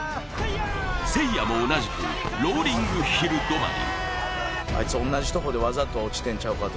せいやも同じくローリングヒル止まり。